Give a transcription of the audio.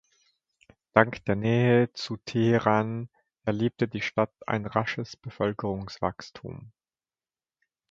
Dank der Nähe zu Teheran erlebte die Stadt ein rasches Bevölkerungswachstum.